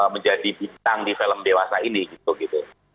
menjadi bintang di film dewasa ini gitu gitu